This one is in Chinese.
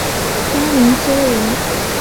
张懋修人。